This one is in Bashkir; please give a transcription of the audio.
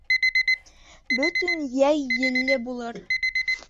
Бөтөн йәй елле булыр.